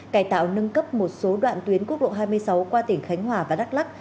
cải tạo nâng cấp một số đoạn tuyến quốc lộ hai mươi sáu qua tỉnh khánh hòa và đắk lắc